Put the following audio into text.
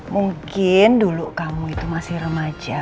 mungkin dulu kamu itu masih remaja